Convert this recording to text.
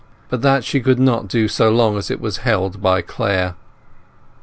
But that she could not do so long as it was held by Clare.